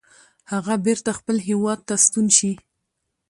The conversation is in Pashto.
هغه بیرته خپل هیواد ته ستون شي.